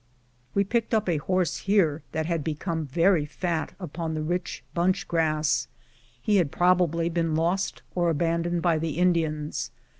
We picked up a horse here that had become very fat upon the rich hunch grass. He had probably been lost or abandoned by the Indians.